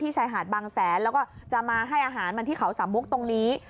ชายหาดบางแสนแล้วก็จะมาให้อาหารมันที่เขาสามมุกตรงนี้